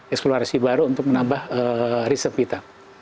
eksplorasi baru untuk menambah riset kita